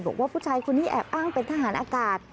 บอกว่าผู้ชายคนนี้แอบอ้างเป็นทหารอากาศ